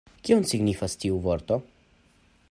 Kion signifas tiu vorto?